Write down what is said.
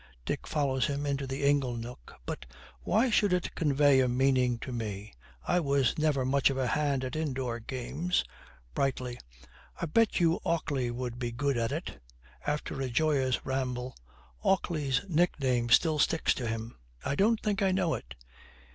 Dick follows him into the ingle nook. 'But, why should it convey a meaning to me? I was never much of a hand at indoor games.' Brightly, 'I bet you Ockley would be good at it.' After a joyous ramble, 'Ockley's nickname still sticks to him!' 'I don't think I know it.'